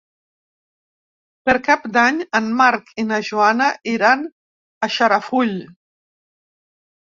Per Cap d'Any en Marc i na Joana iran a Xarafull.